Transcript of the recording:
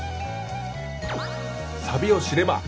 サビを知れば。